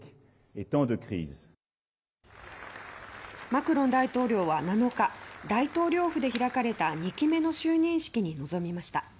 マクロン大統領は７日大統領府で開かれた２期目の就任式に臨みました。